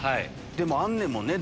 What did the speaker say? でもあんねんもんね